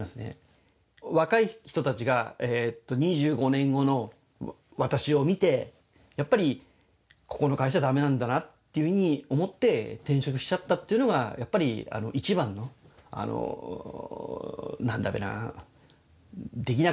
若い人たちが２５年後の私を見てやっぱりここの会社はダメなんだなっていうふうに思って転職しちゃったというのがやっぱり一番のなんだべなできなかったことっていうのかな